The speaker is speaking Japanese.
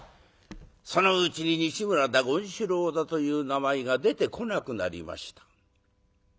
そのうちに西村だ権四郎だという名前が出てこなくなりました。